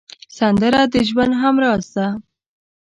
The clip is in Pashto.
سندره د ژوند همراز ده